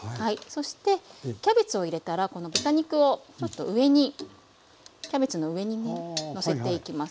そしてキャベツを入れたらこの豚肉をちょっと上にキャベツの上にねのせていきます。